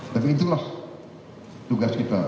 tapi itulah tugas kita